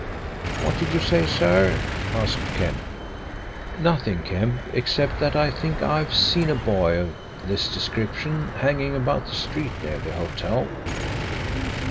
"What did you say, sir?" asked Kemp. "Nothing, Kemp, except that I think I've seen a boy of this description hanging about the street near the hotel."